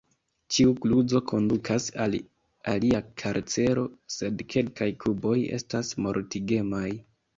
Ĉiu kluzo kondukas al alia karcero, sed kelkaj kuboj estas mortigemaj.